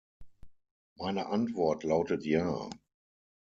Meine Antwort lautet ja .